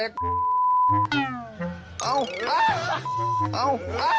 เอาอ้าวเอาอ้าว